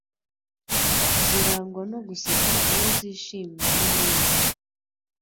zirangwa no guseka iyo zishimye n'ibindi.